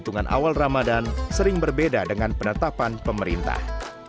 penghitungan awal ramadan sering berbeda dengan penetapan pemerintah